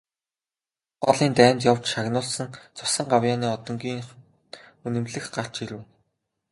Халх голын дайнд явж шагнуулсан цусан гавьяаны одонгийн нь үнэмлэх гарч ирэв.